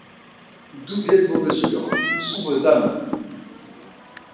D’où viennent vos mesures? Où sont vos âmes ?